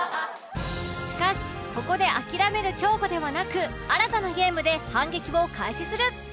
しかしここで諦める京子ではなく新たなゲームで反撃を開始する